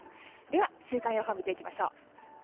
では週間予報見ていきましょう。